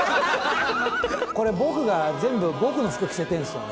これ僕が全部僕の服着せてんすよね。